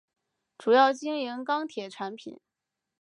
主要经营钢铁产品。